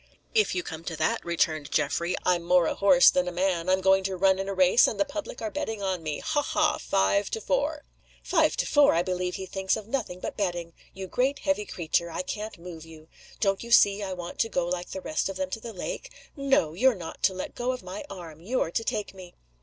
"If you come to that," returned Geoffrey, "I'm more a horse than a man. I'm going to run in a race, and the public are betting on me. Haw! haw! Five to four." "Five to four! I believe he thinks of nothing but betting. You great heavy creature, I can't move you. Don't you see I want to go like the rest of them to the lake? No! you're not to let go of my arm! You're to take me."